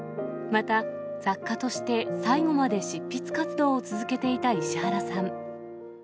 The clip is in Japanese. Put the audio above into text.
また、作家として最後まで執筆活動を続けていた石原さん。